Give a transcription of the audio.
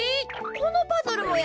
このパズルもや！